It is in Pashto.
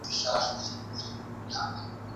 ادبیاتو پوهنځۍ په پټه نه بدلیږي.